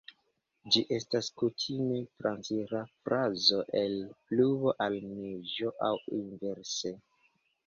Ĝi estas kutime transira fazo el pluvo al neĝo aŭ inverse.